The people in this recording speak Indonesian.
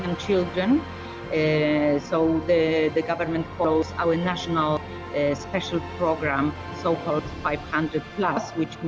jadi pemerintah meneruskan program spesial nasional kami